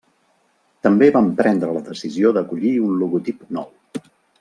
També van prendre la decisió d'acollir un logotip nou.